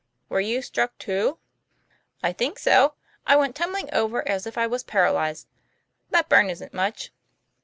' Were you struck, too? " 'I think so; I went tumbling over as if I was paralyzed. That burn isn't much.